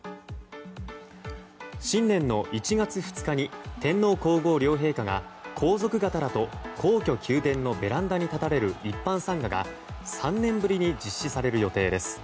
新年の１月２日に天皇・皇后両陛下が皇族方らと皇居・宮殿のベランダに立たれる一般参賀が３年ぶりに実施される予定です。